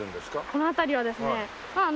この辺りはですねまあ